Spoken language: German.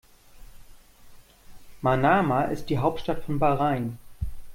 Manama ist die Hauptstadt von Bahrain.